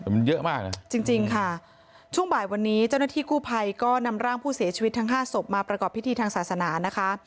แต่มันเยอะมากนะจริงจริงค่ะช่วงบ่ายวันนี้เจ้าหน้าที่กู้ภัยก็นำร่างผู้เสียชีวิตทั้งห้าศพมาประกอบพิธีทางศาสนานะคะ